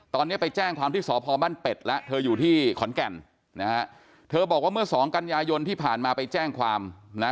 ตอนนี้ไปแจ้งความที่สพบ้านเป็ดแล้วเธออยู่ที่ขอนแก่นนะฮะเธอบอกว่าเมื่อสองกันยายนที่ผ่านมาไปแจ้งความนะ